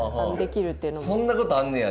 そんなことあんねや。